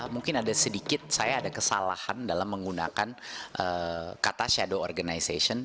mungkin ada sedikit saya ada kesalahan dalam menggunakan kata shadow organization